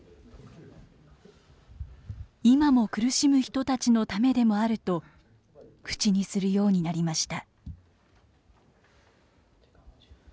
「今も苦しむ人たちのためでもある」と口にするようになりました。